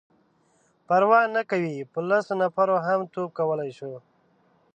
_پروا نه کوي،. په لسو نفرو هم توپ کولای شو.